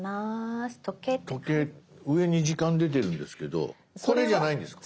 時計上に時間出てるんですけどこれじゃないんですか？